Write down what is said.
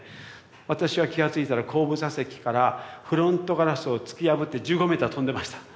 私は気がついたら後部座席からフロントガラスを突き破って１５メーター飛んでました。